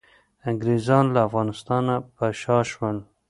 انګریزان له افغانستان نه په شا شول.